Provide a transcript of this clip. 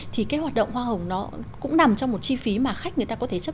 thì cái hoạt động hoa hồng nó cũng nằm trong một chi phí